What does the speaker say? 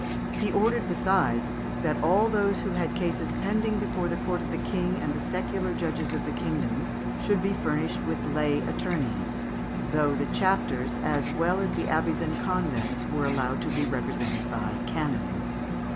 He ordered, besides, that all those who had cases pending before the court of the King and the secular judges of the kingdom should be furnished with lay attorneys; though the chapters, as well as the abbeys and convents, were allowed to be represented by canons.